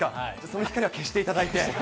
その光は消していただいて。